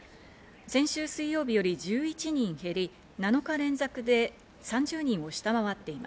先週水曜日より１１人減り、７日連続で３０人を下回っていま